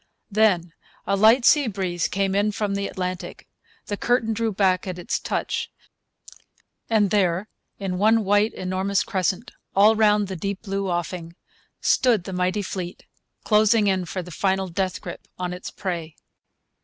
Then a light sea breeze came in from the Atlantic. The curtain drew back at its touch. And there, in one white, enormous crescent, all round the deep blue offing, stood the mighty fleet, closing in for the final death grip on its prey.